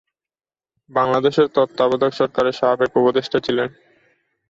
বাংলাদেশের তত্ত্বাবধায়ক সরকারের সাবেক উপদেষ্টা ছিলেন।